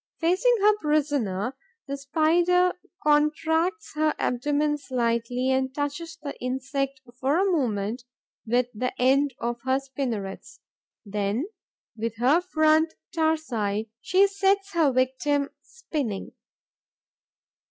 Facing her prisoner, the Spider contracts her abdomen slightly and touches the insect for a moment with the end of her spinnerets; then, with her front tarsi, she sets her victim spinning.